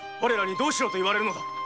どうしろと言われるのだ？